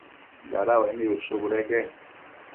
dada uaic nid ushë budeque